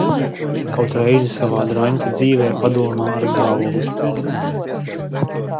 Kaut reizi savā draņķa dzīvē padomā ar galvu!